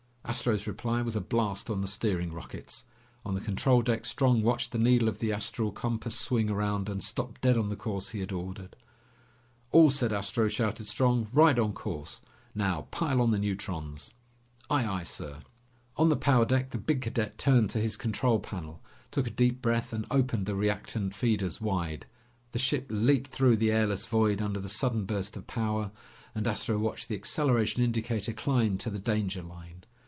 Astro's reply was a blast on the steering rockets. On the control deck, Strong watched the needle of the astral compass swing around and stop dead on the course he had ordered. "All set, Astro!" shouted Strong. "Right on course. Now pile on the neutrons!" "Aye, aye, sir." On the power deck, the big cadet turned to his control panel, took a deep breath, and opened the reactant feeders wide. The ship leaped through the airless void under the sudden burst of power and Astro watched the acceleration indicator climb to the danger line.